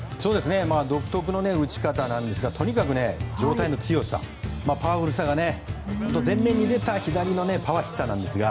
独特な打ち方ですがとにかく上体の強さパワフルさが前面に出た左のパワーヒッターなんですが。